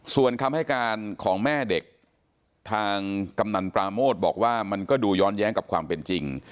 ส่วนคำให้การของแม่เด็กทางกำนันปราโมทบอกว่ามันก็ดูย้อนแย้งกับความเป็นจริง